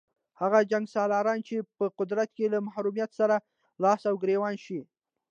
هغه جنګسالاران چې په قدرت کې له محرومیت سره لاس او ګرېوان شي.